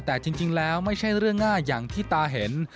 แต่จริงแล้วไม่ใช่เรื่องง่ายอย่างที่ตาเห็น